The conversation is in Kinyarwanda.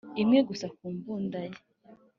imwe gusa ku mbunda ye